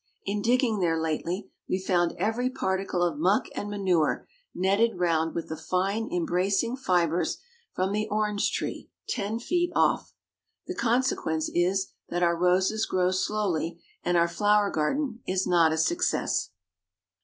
In digging there lately, we found every particle of muck and manure netted round with the fine, embracing fibres from the orange tree ten feet off. The consequence is, that our roses grow slowly, and our flower garden is not a success.